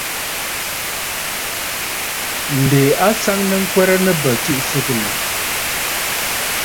Ǹdè a nsaŋnə ŋkwɛrə nɨ̂ bə̂ tsiʼì sɨgɨ̀nə̀.